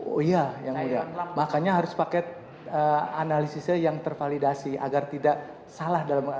oh iya yang mulia makanya harus pakai analisisnya yang tervalidasi agar tidak salah dalam